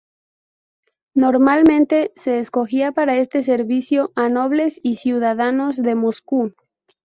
Normalmente se escogía para este servicio a nobles y ciudadanos de Moscú.